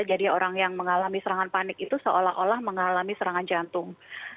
jadi orang yang mengalami serangan panik itu seolah olah mengalami serangan jantung